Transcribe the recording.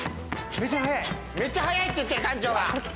・めっちゃ速い・「めっちゃ速い」って館長が。